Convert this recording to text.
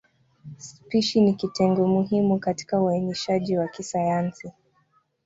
Spishi ni kitengo muhimu katika uainishaji wa kisayansi.